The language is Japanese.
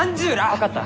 分かった。